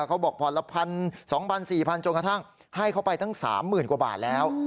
เขาบอกผ่อนละ๑๒๐๐๔๐๐จนกระทั่งให้เขาไปตั้ง๓๐๐๐กว่าบาทแล้ว